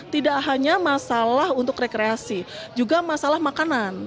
tidak hanya masalah untuk rekreasi juga masalah makanan